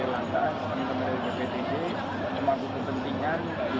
memang berpentingan juga kita ingin masukkan masukkan juga dari pihak pihak yang selalu ingin menjadi penerapan